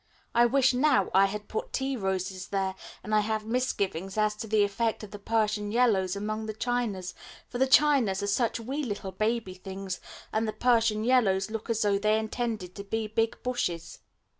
I wish now I had put tea roses there, and I have misgivings as to the effect of the Persian Yellows among the Chinas, for the Chinas are such wee little baby things, and the Persian Yellows look as though they intended to be big bushes.